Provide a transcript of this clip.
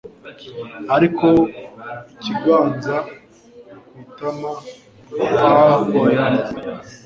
Ariko ikiganza ku itama ah oya